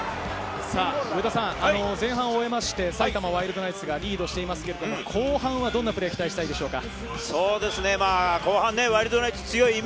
上田さん、前半を終えて、埼玉ワイルドナイツがリードしていますが、後半はどんなプレーを期待したいですか？